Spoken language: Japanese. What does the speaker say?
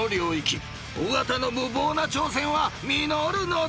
［尾形の無謀な挑戦は実るのか？］